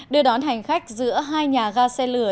đưa đón hành khách giữa hai nhà ga xe lửa